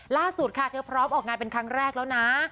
ล่าสุดค่ะเธอพร้อมออกงานเป็นครั้งแรกแล้วนะ